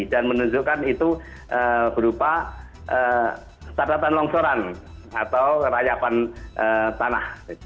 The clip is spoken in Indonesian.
dan menunjukkan itu berupa tata tata longsoran atau rayakan tanah